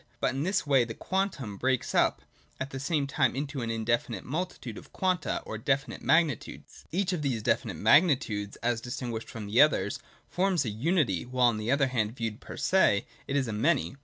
But in this way the quantum breaks up at the same time into an indefinite multitude of Quanta or definite magnitudes. Each of these definite magnitudes, as distinguished from the others, forms a unity, while on the other hand, viewed per se, it is a many.